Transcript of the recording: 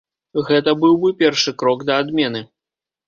Гэта быў бы першы крок да адмены.